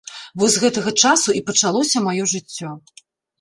Вось з гэтага часу і пачалося маё жыццё.